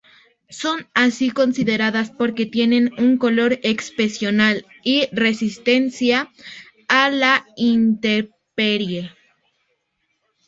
Son así consideradas porque tienen un color excepcional y resistencia a la intemperie.